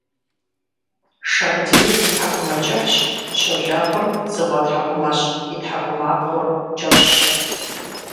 Шагъдийр тхьэкӀумэ кӀыхьщ, щолэхъур дзыгъуэ тхьэкӀумэщ – и тхьэкӀумэбгъур кӀэщӀщ.